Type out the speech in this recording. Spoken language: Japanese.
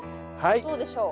どうでしょう？